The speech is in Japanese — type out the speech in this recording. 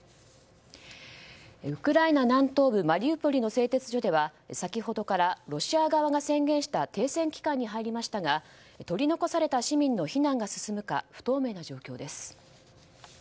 ウクライナ南東部マリウポリの製鉄所では先ほどからロシア側が宣言した停戦期間に入りましたが取り残された市民の避難が進むか不透明な状況です。